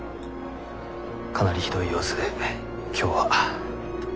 かなりひどい様子で今日は。